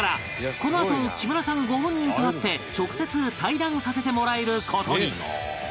このあと木村さんご本人と会って直接対談させてもらえる事に